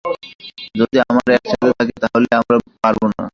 যদি আমরা একসাথে থাকি, তাহলে আমরা পারবো না।